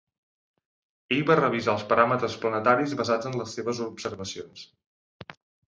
Ell va revisar els paràmetres planetaris basats en les seves observacions.